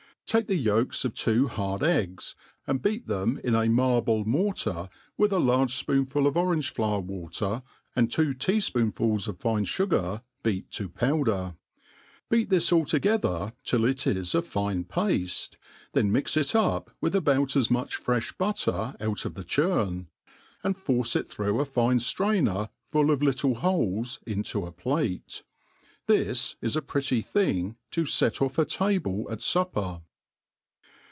TAKE the yolks of two bard eggs, and beat them in a biarUe mortar, with a large fpoonful of orange flower Water, and two tea fpoonfuU of fine fugar beat to powder ; beat this all togjsther till it is a fine pafte, then mix it up with about as much freih butter out of the churn, and force it through a iint (trainer full of little holes into a plate* This is a pretty thing to fet offa table at fupper.